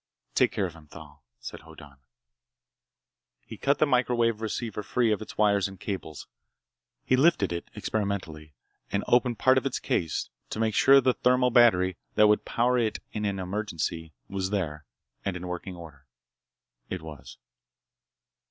"Take care of him, Thal," said Hoddan. He cut the microwave receiver free of its wires and cables. He lifted it experimentally and opened part of its case to make sure the thermo battery that would power it in an emergency was there and in working order. It was.